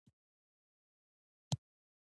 موږ درې واړه پر ده را چاپېر شو او پټ مو کړ.